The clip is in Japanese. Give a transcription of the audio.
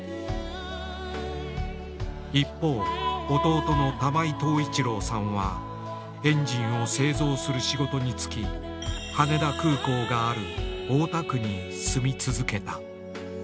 一方弟の玉井藤一郎さんはエンジンを製造する仕事に就き羽田空港がある大田区に住み続けた。